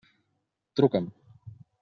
Truca'm.